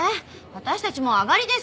わたしたちもう上がりですよ！